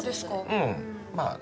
うんまぁ。